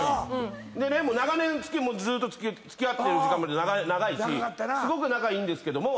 でね長年ずーっと付き合ってる時間も長いしすごく仲いいんですけども。